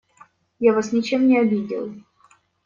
Я вас ничем не обидел.